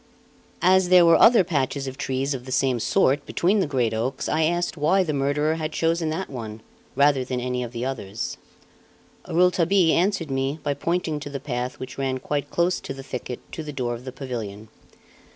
As there were other patches of trees of the same sort between the great oaks, I asked why the murderer had chosen that one, rather than any of the others. Rouletabille answered me by pointing to the path which ran quite close to the thicket to the door of the pavilion.